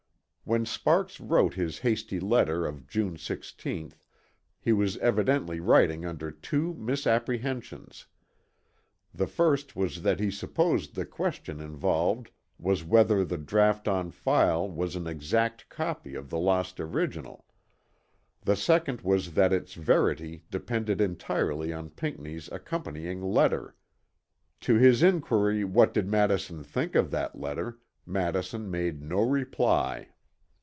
When Sparks wrote his hasty letter of June 16th he was evidently writing under two misapprehensions. The first was that he supposed the question involved was whether the draught on file was an exact copy of the lost original; the second was that its verity depended entirely on Pinckney's accompanying letter. To his inquiry what did Madison think of that letter, Madison made no reply.